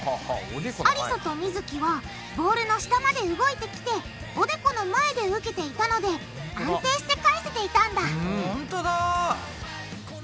ありさとみづきはボールの下まで動いてきておでこの前で受けていたので安定して返せていたんだほんとだ。